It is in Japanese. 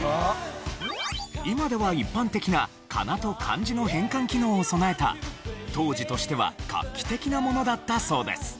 今では一般的なかなと漢字の変換機能を備えた当時としては画期的なものだったそうです。